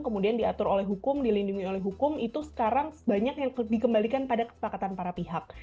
kemudian diatur oleh hukum dilindungi oleh hukum itu sekarang banyak yang dikembalikan pada kesepakatan para pihak